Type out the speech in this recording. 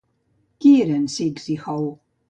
Qui eren Sixt i Hou?